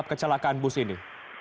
sebab kecelakaan bus ini